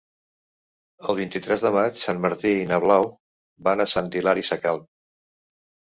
El vint-i-tres de maig en Martí i na Blau van a Sant Hilari Sacalm.